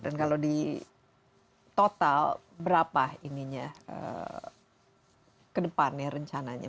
dan kalau di total berapa ininya kedepannya rencananya